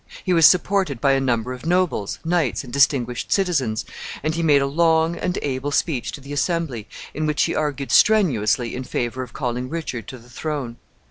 He was supported by a number of nobles, knights, and distinguished citizens, and he made a long and able speech to the assembly, in which he argued strenuously in favor of calling Richard to the throne.